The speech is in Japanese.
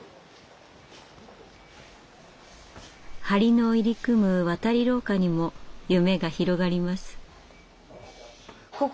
梁の入り組む渡り廊下にも夢が広がります。